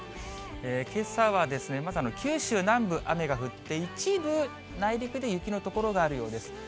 けさはですね、まずは九州南部、雨が降って、一部内陸で雪の所があるようです。